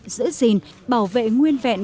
giữ gìn bảo vệ nguyên vẹn